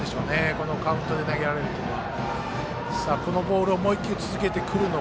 このカウントで投げられるというのは。